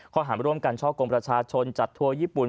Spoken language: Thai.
ความห่างร่วมกันช่องกรมประชาชนจัดทัวร์ญี่ปุ่น